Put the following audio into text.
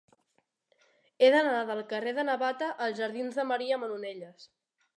He d'anar del carrer de Navata als jardins de Maria Manonelles.